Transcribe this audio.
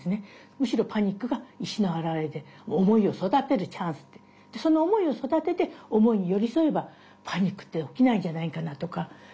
むしろパニックが意思の表れで思いを育てるチャンスででその思いを育てて思いに寄り添えばパニックって起きないんじゃないんかなとか。